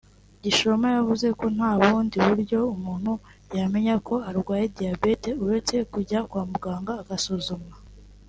Gishoma yavuze ko nta bundi buryo umuntu yamenya ko arwaye diabète uretse kujya kwa muganga agasuzumwa